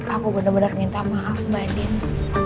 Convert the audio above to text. aku bener bener minta maaf mbak edine